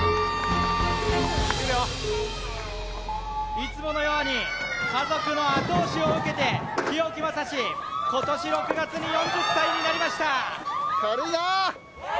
いつものように家族の後押しを受けて日置将士今年６月に４０歳になりました